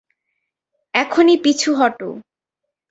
এখনই পিছু হটো!